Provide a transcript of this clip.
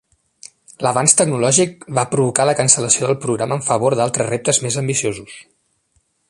L'avanç tecnològic va provocar la cancel·lació del programa en favor d'altres reptes més ambiciosos.